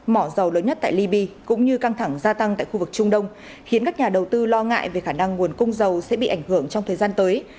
mỏ dầu lớn nhất tại libya cũng như căng thẳng gia tăng tại khu vực trung đông khiến các nhà đầu tư lo ngại về khả năng nguồn cung dầu sẽ bị ảnh hưởng trong thời gian tới